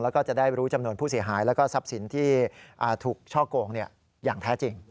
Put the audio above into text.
แล้วก็จะได้รู้จำนวนผู้เสียหายแล้วก็ทรัพย์สินที่ถูกช่อโกงอย่างแท้จริง